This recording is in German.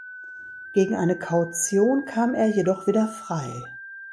Gegen eine Kaution kam er jedoch wieder frei.